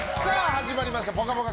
始まりました「ぽかぽか」